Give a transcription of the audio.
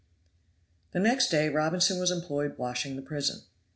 The next day Robinson was employed washing the prison.